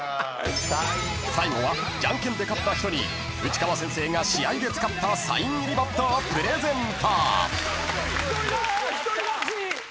［最後はじゃんけんで勝った人に内川先生が試合で使ったサイン入りバットをプレゼント］一人勝ち。